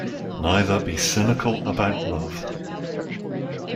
Neither be cynical about love